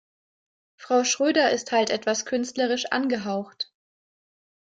Frau Schröder ist halt etwas künstlerisch angehaucht.